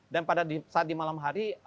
dan pada saat di malam hari